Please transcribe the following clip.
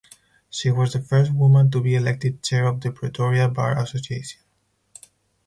She was the first woman to be elected chair of the Pretoria Bar Association.